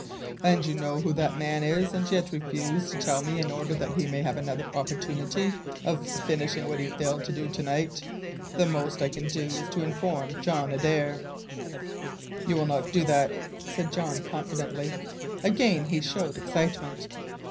"And you know who that man is, and yet refuse to tell me in order that he may have another opportunity of finishing what he failed to do to night. The most I can do is to inform John Adare." "You will not do that," said Jean confidently. Again he showed excitement.